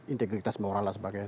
integritas moral dan sebagainya